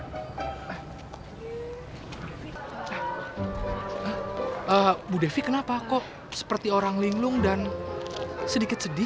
ibu devi kenapa kok seperti orang linglung dan sedikit sedih